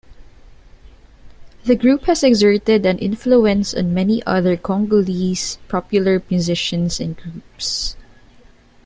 The group has exerted an influence on many other Congolese popular musicians and groups.